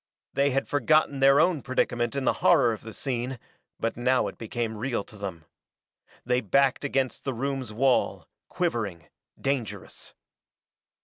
They had forgotten their own predicament in the horror of the scene, but now it became real to them. They backed against the room's wall, quivering, dangerous.